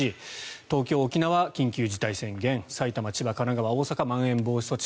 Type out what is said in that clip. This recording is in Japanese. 東京、沖縄は緊急事態宣言埼玉、千葉、神奈川、大阪はまん延防止措置。